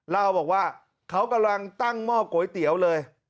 เล่าบอกว่าเขากำลังตั้งหม้อก๋วยเตี๋ยวเลย